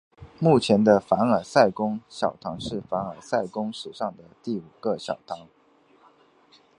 目前的凡尔赛宫小堂是凡尔赛宫历史上的第五个小堂。